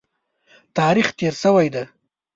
تاریخ تېر شوی دی.